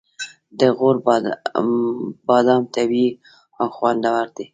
د غور بادام طبیعي او خوندور دي.